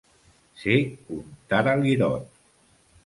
Ser un taral·lirot.